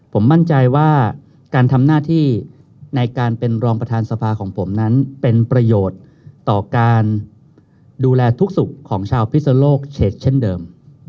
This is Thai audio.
ผมมั่นใจว่าการทำหน้าที่ในการเป็นรองประธานสภาของผมนั้นเป็นประโยชน์ต่อการดูแลทุกสุขของชาวพิศนโลกเฉกเช่นเดิม